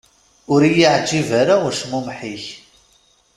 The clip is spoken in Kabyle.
Ur i-yeεǧib ara ucmumeḥ-ik.